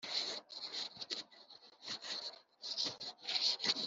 Uburyo bwo kuyobora i kiganiro muri buri cyiciro